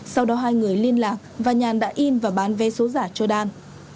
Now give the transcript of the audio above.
sau đó hai người liên lạc và nhàn đã in và bán vé số giả cho đan